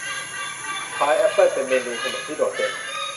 พายแอปเปิ้ลเป็นเมนูขนมที่โดดเด่น